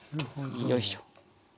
よいしょ。